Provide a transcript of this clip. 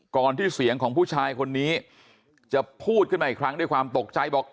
ที่เสียงของผู้ชายคนนี้จะพูดขึ้นมาอีกครั้งด้วยความตกใจบอก